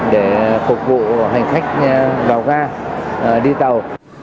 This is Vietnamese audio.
để phục vụ hành khách vào ga đi tàu